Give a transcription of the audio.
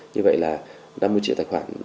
như vậy là năm mươi triệu tài khoản